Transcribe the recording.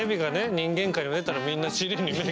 人間界に出たらみんな尻に。